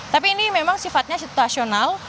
tapi ini memang sifatnya situasional